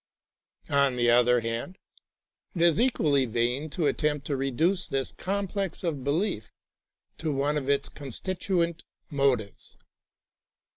On the other hand, it is equally vain to at tempt to reduce this complex of belief to one of its constituent motives.